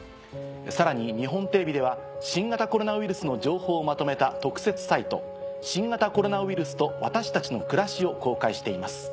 さらに日本テレビでは新型コロナウイルスの情報をまとめた。を公開しています。